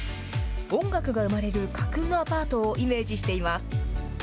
音楽が生まれる架空のアパートをイメージしています。